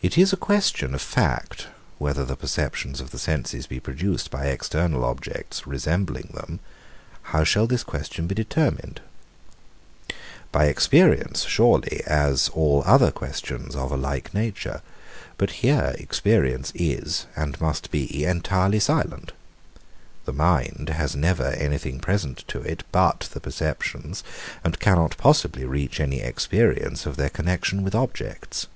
It is a question of fact, whether the perceptions of the senses be produced by external objects, resembling them: how shall this question be determined? By experience surely; as all other questions of a like nature. But here experience is, and must be entirely silent. The mind has never anything present to it but the perceptions, and cannot possibly reach any experience of their connexion with objects.